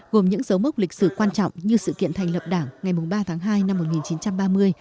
gồm những dấu mốc lịch sử quan trọng như sự kiện thành lập đảng ngày ba tháng hai năm một nghìn chín trăm ba mươi